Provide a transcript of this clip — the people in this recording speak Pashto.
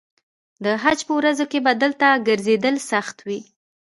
د حج په ورځو کې به دلته ګرځېدل سخت وي.